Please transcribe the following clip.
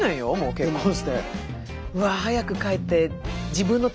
結婚して。